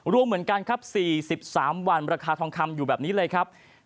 รวมเหมือนกันครับ๔๓วันราคาทองคำอยู่แบบนี้เลยครับ